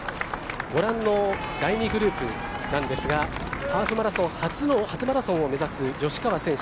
ご覧の第２グループなんですがハーフマラソン初マラソンを目指す吉川選手